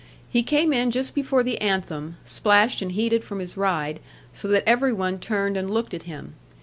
He came in just before the anthem, splashed and heated from his ride, so that every one turned and looked at him.